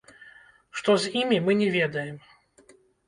Што з імі, мы не ведаем.